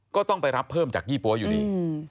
ก็ต้องไปรับเพิ่มจากยี่ปั๊วอยู่ดี